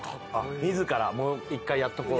自らもう１回やっとこう。